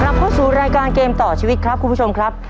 เราเข้าสู่รายการเกมต่อชีวิตครับคุณผู้ชมครับ